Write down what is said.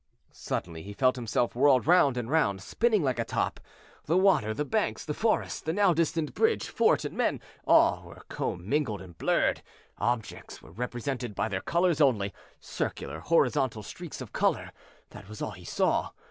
Suddenly he felt himself whirled round and round spinning like a top. The water, the banks, the forests, the now distant bridge, fort and men all were commingled and blurred. Objects were represented by their colors only; circular horizontal streaks of color that was all he saw.